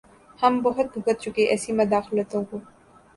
ہم بہت بھگت چکے ایسی مداخلتوں کو۔